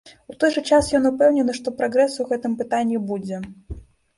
У той жа час ён упэўнены, што прагрэс у гэтым пытанні будзе.